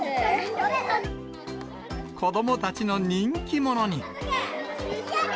子どもたちの人気者に。